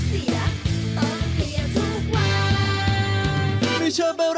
มันใกล้มันใกล้เห็นหน้าและอารมณ์เสียต้องเพียงทุกวัน